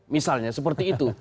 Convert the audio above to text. misalnya seperti itu